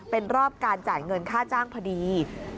เป็นรอบการจ่ายเงินค่าจ้างพอดี